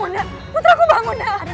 dia adalah segalanya untuk kami ya allah